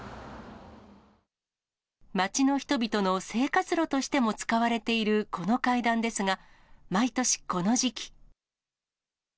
町の人々の生活路としても使われているこの階段ですが、毎年、この時期。